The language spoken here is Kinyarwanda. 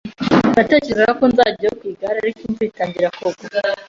Natekerezaga ko nzajyayo ku igare, ariko imvura itangira kugwa.